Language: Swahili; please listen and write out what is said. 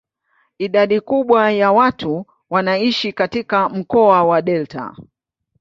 Idadi kubwa ya watu wanaishi katika mkoa wa delta.